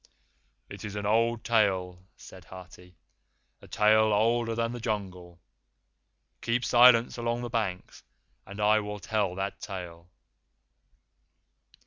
"It is an old tale," said Hathi; "a tale older than the Jungle. Keep silence along the banks and I will tell that tale."